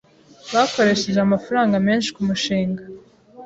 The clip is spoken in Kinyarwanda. Bakoresheje amafaranga menshi kumushinga.